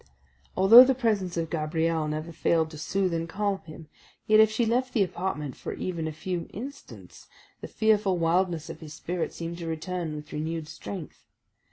Although the presence of Gabrielle never failed to soothe and calm him, yet if she left the apartment for even a few instants, the fearful wildness of his spirit seemed to return with renewed strength.